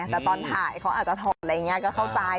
แต่ตอนถ่ายเขาอาจจะถอดอะไรอย่างนี้ก็เข้าใจ